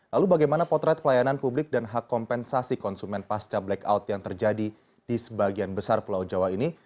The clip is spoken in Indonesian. lalu bagaimana potret pelayanan publik dan hak kompensasi konsumen pasca blackout yang terjadi di sebagian besar pulau jawa ini